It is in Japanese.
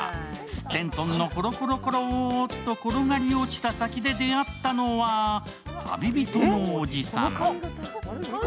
すってんとんのころころっと転がり落ちた先で出会ったのは旅人のおじさん。